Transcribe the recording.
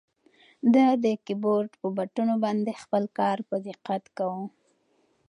ده د کیبورډ په بټنو باندې خپل کار په دقت کاوه.